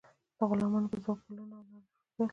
د غلامانو په ځواک پلونه او لارې جوړیدل.